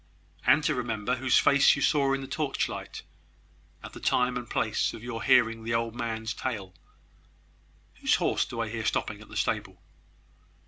"And to remember whose face you saw in the torchlight, at the time and place of your hearing the old man's tale. Whose horse do I hear stopping at the stable?"